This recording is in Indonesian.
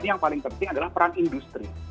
yang paling penting adalah peran industri